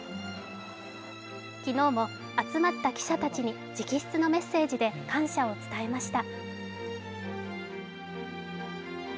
昨日も集まった記者たちに直筆のメッセージで感謝を伝えました。